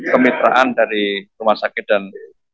kemitraan dari rumah sakit dan